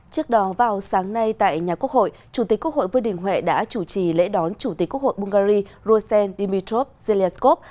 trước đó vào sáng nay tại nhà quốc hội chủ tịch quốc hội vương đình huệ đã chủ trì lễ đón chủ tịch quốc hội bulgari rosen dimitrov zelenskov